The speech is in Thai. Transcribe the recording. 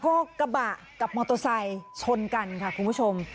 ก็กระบะกับอาหารเบียงมอเตอร์ไซค์ชนกันครับคุณผู้ชม